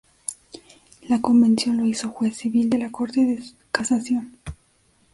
La Convención lo hizo juez civil de la Corte de Casación.